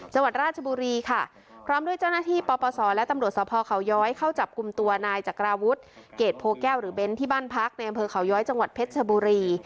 จังหวัดราชบุรีค่ะพร้อมด้วยเจ้าหน้าที่ปปศและตำรวจสภเขาย้อยเข้าจับกลุ่มตัวนายจักราวุฒิเกรดโพแก้วหรือเบ้นที่บ้านพักในอำเภอเขาย้อยจังหวัดเพชรชบุรี